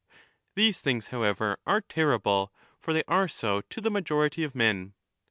These things, however, are terrible, for they 30 are so to the majority of men.